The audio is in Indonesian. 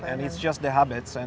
dan itu hanya kebiasaan